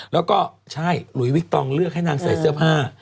แล้วก็ใช่หลุยวิกตองเลือกให้นางใส่เสื้อผ้า